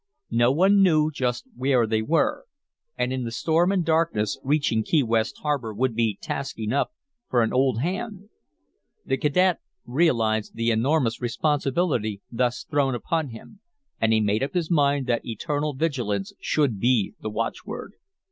No one knew just where they were, and in the storm and darkness reaching Key West harbor would be task enough for an old hand. The cadet realized the enormous responsibility thus thrown upon him, and he made up his mind that eternal vigilance should be the watchword.